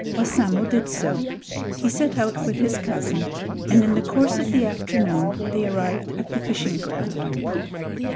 Wassamo did so. He set out with his cousin, and in the course of the afternoon they arrived at the fishing ground.